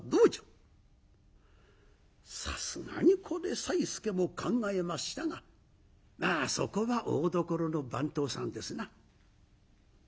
さすがにこれさいすけも考えましたがまあそこは大どころの番頭さんですな。